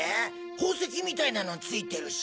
宝石みたいなのついてるし。